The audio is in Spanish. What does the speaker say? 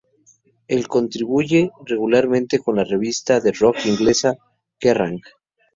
El contribuye regularmente con la revista de rock inglesa Kerrang!